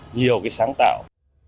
nhiều sáng tạo